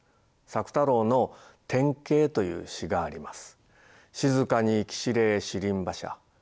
朔太郎の「天景」という詩があります。